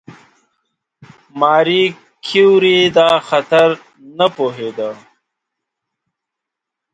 ماري کیوري دا خطر نه پوهېده.